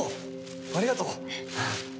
ありがとう！